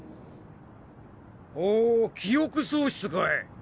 ほ記憶喪失かい？